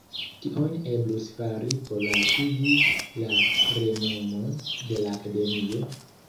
Kion eblus fari por altigi la renomon de la Akademio?